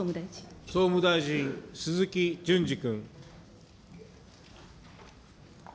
総務大臣、鈴木淳司君。